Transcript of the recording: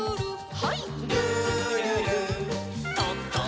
はい。